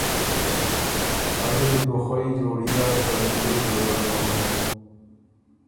ازه ل دی بُو خوئ جوړي لاسته دیو جوړۀ ڒوم۔